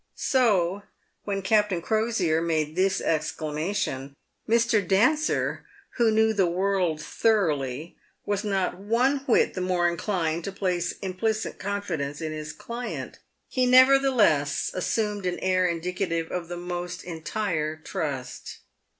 So, when Captain Crosier made this exclamation, Mr. Dancer, who knew the world thoroughly, was not one whit the more inclined to place implicit confidence in his client. He nevertheless assumed an air in dicative of the most entire trust.